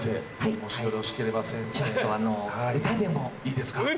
いいですか？